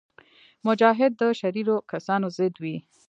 مجاهد د شریرو کسانو ضد وي.